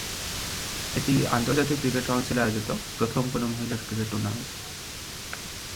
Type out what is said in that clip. এটি আন্তর্জাতিক cricket council আয়োজিত প্রথম কোন মহিলা ক্রিকেট টুর্নামেন্ট।